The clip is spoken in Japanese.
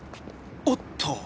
おっと！